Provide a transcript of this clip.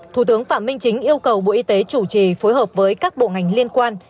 thủ tướng phạm minh chính yêu cầu bộ y tế chủ trì phối hợp với các bộ ngành liên quan